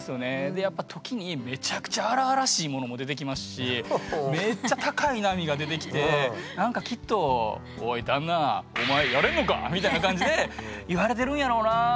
でやっぱ時にめっちゃくちゃ荒々しいものも出てきますしめっちゃ高い波が出てきてなんかきっとみたいな感じで言われてるんやろなぁ。